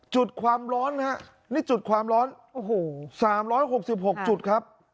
จุดความร้อนนะครับนี่จุดความร้อนโอ้โหสามร้อยหกสิบหกจุดครับ